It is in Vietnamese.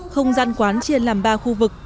không gian quán chia làm ba khu vực